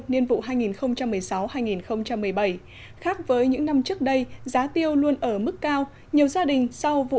niên vụ hai nghìn một mươi sáu hai nghìn một mươi bảy khác với những năm trước đây giá tiêu luôn ở mức cao nhiều gia đình sau vụ